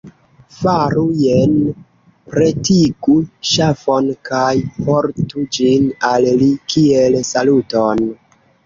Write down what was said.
Faru jene: pretigu ŝafon kaj portu ĝin al li kiel saluton.